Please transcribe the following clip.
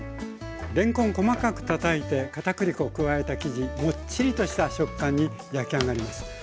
れんこん細かくたたいて片栗粉を加えた生地もっちりとした食感に焼き上がります。